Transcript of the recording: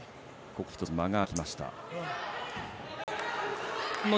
ここで１つ、間が空きました。